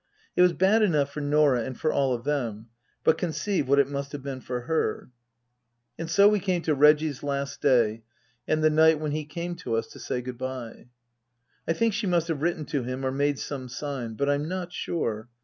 It was bad enough for Norah and for all of them, but conceive what it must have been for her ! And so we came to Reggie's last day and the night when he came to us to say good bye. I think she must have written to him or made some sign. But I'm not sure.